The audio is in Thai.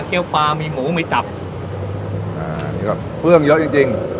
เกลี้ยวปลามีหมูมีตับอ่านี่ครับเครื่องเยอะจริงจริง